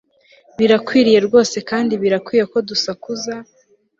Birakwiriye rwose kandi birakwiye ko dusakuza